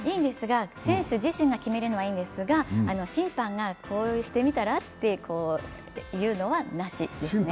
選手自身が決めるのはいいんですが、審判がこうしてみたら？って言うのはなし。